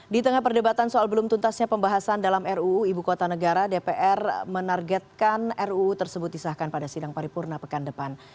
di tengah perdebatan soal belum tuntasnya pembahasan dalam ruu ibu kota negara dpr menargetkan ruu tersebut disahkan pada sidang paripurna pekan depan